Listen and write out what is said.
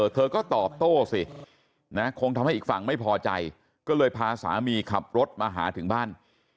เธอก็ตอบโต้สินะคงทำให้อีกฝั่งไม่พอใจก็เลยพาสามีขับรถมาหาถึงบ้าน